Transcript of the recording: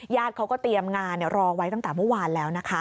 เขาก็เตรียมงานรอไว้ตั้งแต่เมื่อวานแล้วนะคะ